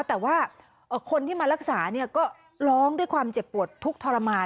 แต่ว่าคนที่มารักษาก็ร้องด้วยความเจ็บปวดทุกข์ทรมาน